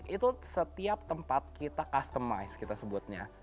itu setiap tempat kita customize kita sebutnya